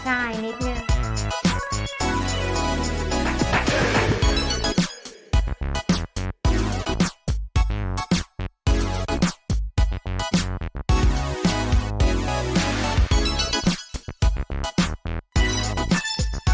อันนั้นต้องให้เป็นผงผักเหรอคะใช่ค่ะใช่นิดนึง